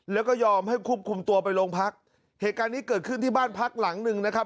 แล้วก็ยอมให้ควบคุมตัวไปโรงพักเหตุการณ์นี้เกิดขึ้นที่บ้านพักหลังหนึ่งนะครับ